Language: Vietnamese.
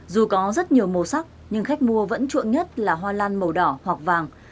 dù có rất nhiều màu sắc nhưng khách mua vẫn chuộng nhất là hoa lan màu đỏ hoặc vàng